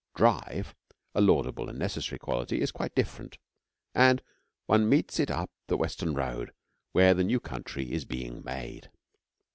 'Drive,' a laudable and necessary quality, is quite different, and one meets it up the Western Road where the new country is being made.